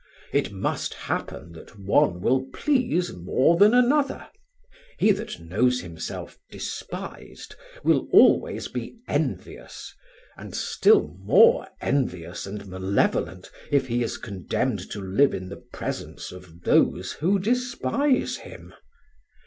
It must happen that one will please more than another; he that knows himself despised will always be envious, and still more envious and malevolent if he is condemned to live in the presence of those who despise him.